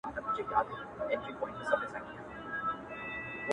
د مسافر جانان کاغذه-